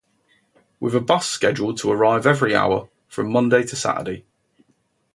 With a bus scheduled to arrive every hour from Monday to Saturday.